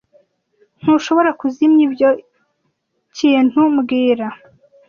Ntushobora kuzimya ibyo kintu mbwira